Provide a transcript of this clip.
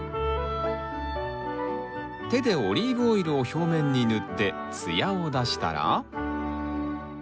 手でオリーブオイルを表面に塗って艶を出したら。